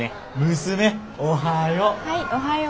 娘おはよ。